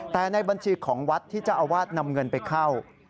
แต่ในบัญชีของวัดที่เจ้าอาวาสนำเงินไปเข้า